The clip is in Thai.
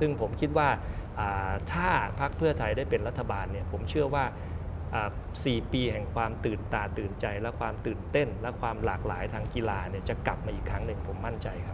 ซึ่งผมคิดว่าถ้าพักเพื่อไทยได้เป็นรัฐบาลผมเชื่อว่า๔ปีแห่งความตื่นตาตื่นใจและความตื่นเต้นและความหลากหลายทางกีฬาจะกลับมาอีกครั้งหนึ่งผมมั่นใจครับ